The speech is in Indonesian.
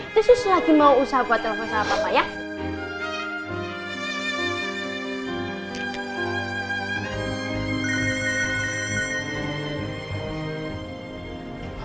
terus lagi mau usaha buat telepon sama papa ya